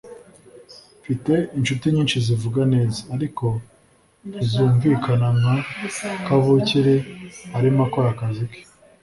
mfite inshuti nyinshi zivuga neza, ariko ntizumvikana nka kavukire arimo akora akazi ke